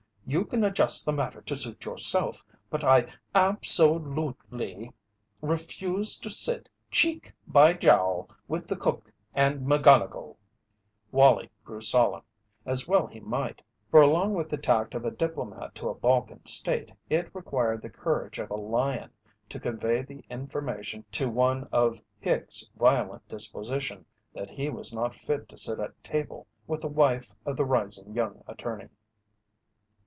You can adjust the matter to suit yourself, but I ab so lute ly refuse to sit cheek by jowl with the cook and McGonnigle!" Wallie grew solemn, as well he might, for along with the tact of a diplomat to a Balkan state it required the courage of a lion to convey the information to one of Hicks' violent disposition that he was not fit to sit at table with the wife of the rising young attorney.